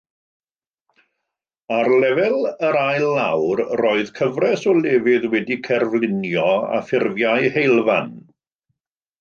Ar lefel yr ail lawr roedd cyfres o lefydd wedi'u cerflunio a ffurfiai heulfan.